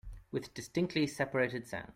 With distinctly separated sounds.